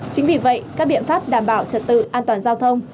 chính vì vậy các biện pháp đảm bảo trật tự an toàn giao thông